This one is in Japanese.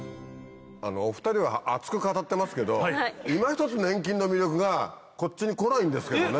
お２人は熱く語ってますけどいまひとつ粘菌の魅力がこっちに来ないんですけどもね。